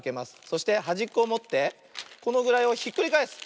そしてはじっこをもってこのぐらいをひっくりがえす。